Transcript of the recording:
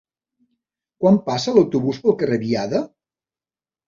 Quan passa l'autobús pel carrer Biada?